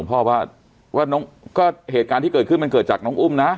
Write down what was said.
พ่อว่าน้องก็เหตุการณ์ที่เกิดขึ้นมันเกิดจากน้องอุ้มนะ